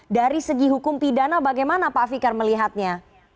dari segi hukum pidana bagaimana pak fikar melihatnya